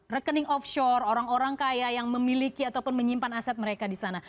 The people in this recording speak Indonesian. rekening offshore orang orang kaya yang memiliki ataupun menyimpan aset mereka di sana